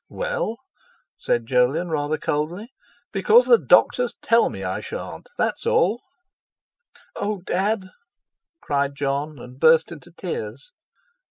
"Well," said Jolyon, rather coldly, "because the doctors tell me I shan't; that's all." "Oh, Dad!" cried Jon, and burst into tears.